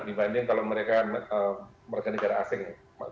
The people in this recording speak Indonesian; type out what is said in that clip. dibanding kalau mereka negara asing